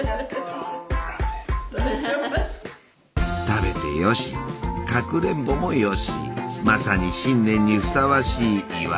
食べてよしかくれんぼもよしまさに新年にふさわしい祝い菓子だ。